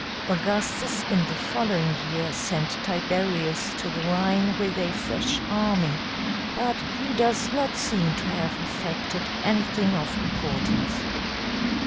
Augustus in the following year sent Tiberius to the Rhine with a fresh army; but he does not seem to have effected anything of importance.